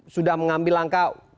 sudah mengambil langkah